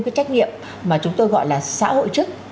cái trách nhiệm mà chúng tôi gọi là xã hội chức